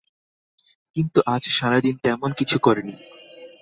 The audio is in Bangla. কিন্তু আজ সারাদিন তেমন কিছু করে নি।